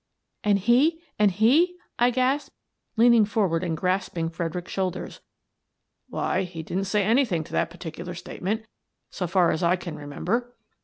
" And he — and he? " I gasped, leaning forward and grasping Fredericks's shoulders. " Why, he didn't say anything to that particular statement — so far as I can remember."